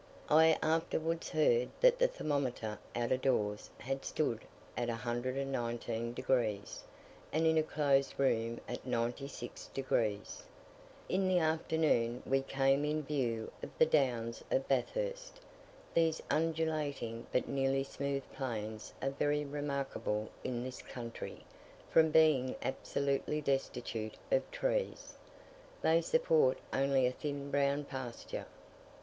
I afterwards heard that the thermometer out of doors had stood at 119 degs., and in a closed room at 96 degs. In the afternoon we came in view of the downs of Bathurst. These undulating but nearly smooth plains are very remarkable in this country, from being absolutely destitute of trees. They support only a thin brown pasture.